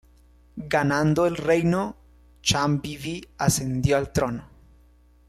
Ganando el reino, Chand Bibi ascendió al trono.